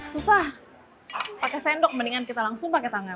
susah pakai sendok mendingan kita langsung pakai tangan